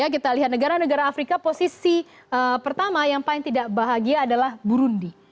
kita lihat negara negara afrika posisi pertama yang paling tidak bahagia adalah burundi